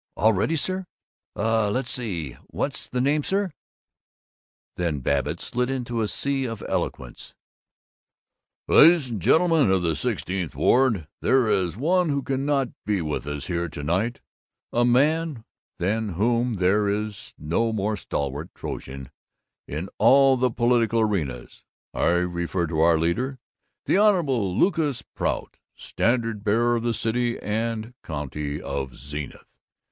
All ready, sir! Uh let's see what was the name, sir?" Then Babbitt slid into a sea of eloquence: "Ladies and gentlemen of the Sixteenth Ward, there is one who cannot be with us here to night, a man than whom there is no more stalwart Trojan in all the political arena I refer to our leader, the Honorable Lucas Prout, standard bearer of the city and county of Zenith.